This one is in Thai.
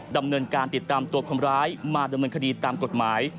ดำเนินการติดตามตัวคนร้ายมาดำเนินคดีตามกฎหมาย